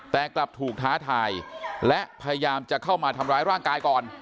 แต่กลับถูกท้าทายและพยายามจะเข้ามาทำร้ายร่างกายก่อน